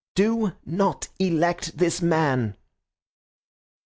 Do not elect this man."